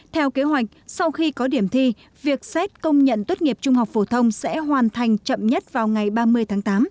theo kế hoạch sau khi có điểm thi việc xét công nhận tốt nghiệp trung học phổ thông sẽ hoàn thành chậm nhất vào ngày ba mươi tháng tám